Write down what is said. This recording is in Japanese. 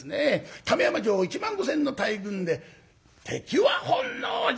亀山城１万５，０００の大軍で「敵は本能寺！」。